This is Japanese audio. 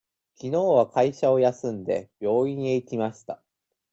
きのうは会社を休んで、病院へ行きました。